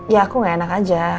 ya aku gak enak aja